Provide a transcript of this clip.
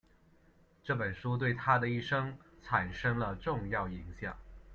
这本书对他的一生产生了重要影响。